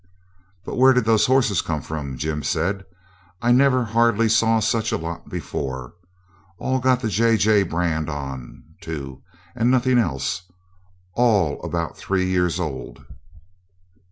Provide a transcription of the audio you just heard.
'But where did those horses come from?' Jim said. 'I never hardly saw such a lot before. All got the JJ brand on, too, and nothing else; all about three year old.'